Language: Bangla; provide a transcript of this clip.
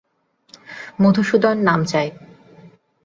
মধুসূদন নাম চায়।